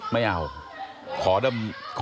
ไม่เอา